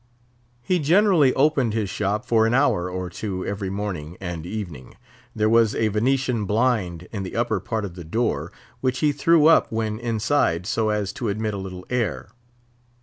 He generally opened his shop for an hour or two every morning and evening. There was a Venetian blind in the upper part of the door, which he threw up when inside so as to admit a little air.